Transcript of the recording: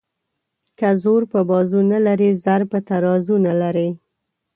ـ که زور په بازو نه لري زر په ترازو نه لري.